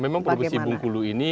memang provinsi bungkulu ini